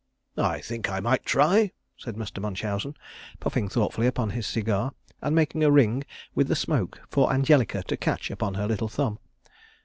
"I think I might try," said Mr. Munchausen, puffing thoughtfully upon his cigar and making a ring with the smoke for Angelica to catch upon her little thumb.